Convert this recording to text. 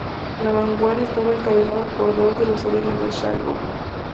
La vanguardia estaba encabezada por dos de los sobrinos de Shah Rukh.